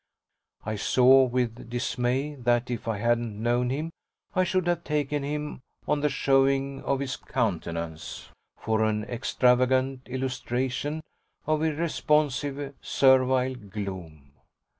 I saw with dismay that if I hadn't known him I should have taken him, on the showing of his countenance, for an extravagant illustration of irresponsive servile gloom.